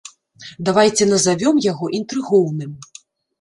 Давайце назавём яго інтрыгоўным.